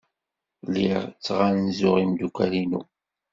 Lliɣ ttɣanzuɣ imeddukal-inu.